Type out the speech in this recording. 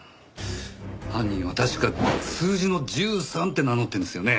犯人は確か数字の１３って名乗ってるんですよね？